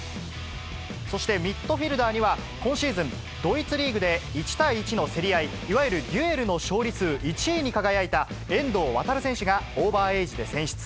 そしてミッドフィールダーには、今シーズン、ドイツリーグで１対１の競り合い、いわゆるデュエルの勝利数１位に輝いた遠藤航選手が、オーバーエイジで選出。